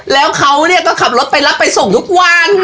แล้วเขาก็ขับรถไปรับไปส่งทุกวัน